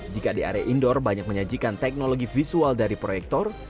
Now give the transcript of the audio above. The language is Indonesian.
jika di area indoor banyak menyajikan teknologi visual dari proyektor